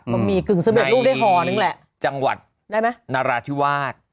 ก็มีกึ่ง๑๑ลูกได้หอนึงแหละในจังหวัดนาราธิวาส